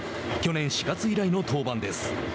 去年４月以来の登板です。